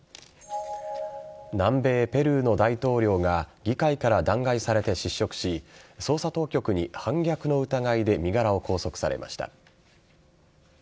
南米・ペルーの大統領が議会から弾劾されて失職し捜査当局に反逆の疑いで身柄を拘束されました。